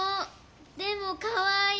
でもかわいい！